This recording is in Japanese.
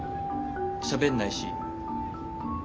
しゃべんないし。